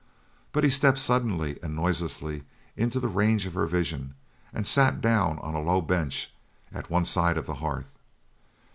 But he stepped suddenly and noiselessly into the range of her vision and sat down on a low bench at one side of the hearth.